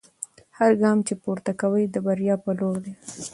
هر ګام چې پورته کوئ د بریا په لور دی.